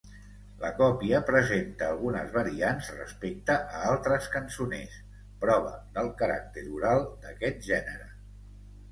La còpia presenta algunes variants respecte a altres cançoners, prova del caràcter oral d'aquest gènere.